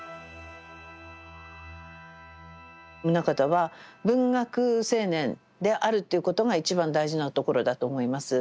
棟方は文学青年であるということが一番大事なところだと思います。